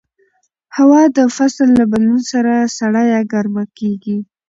هوا د فصل له بدلون سره سړه یا ګرمه کېږي